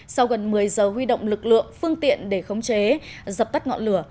sau gần một mươi giờ huy động lực lượng phương tiện để khống chế dập tắt ngọn lửa